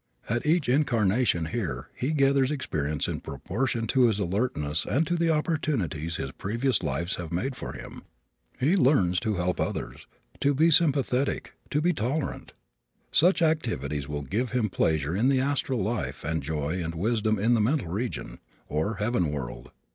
At each incarnation here he gathers experience in proportion to his alertness and to the opportunities his previous lives have made for him. He learns to help others, to be sympathetic, to be tolerant. Such activities will give him pleasure in the astral life and joy and wisdom in the mental region, or heaven world.